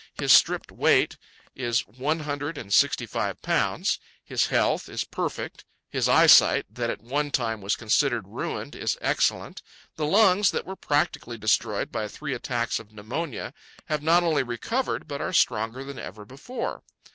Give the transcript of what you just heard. His stripped weight is one hundred and sixty five pounds. His health is perfect. His eyesight, that at one time was considered ruined, is excellent. The lungs that were practically destroyed by three attacks of pneumonia have not only recovered, but are stronger than ever before.